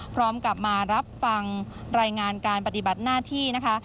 พร้อมกับมารับฟังรายงานการปฏิบัติหน้าที่นะคะ